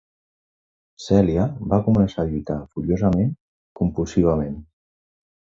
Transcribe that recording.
Celia va començar a lluitar furiosament, convulsivament.